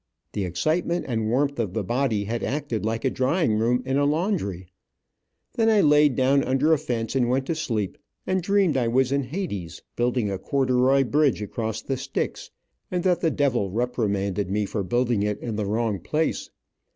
The excitement and warmth of the body had acted like a drying room in a laundry. Then I laid down under a fence and went to sleep, and dreamed I was in hades, building a corduroy bridge across the Styx, and that the devil repremanded me for building it in the wrong place.